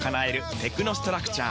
テクノストラクチャー！